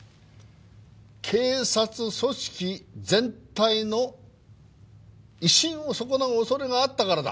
警察組織全体の威信を損なう恐れがあったからだ。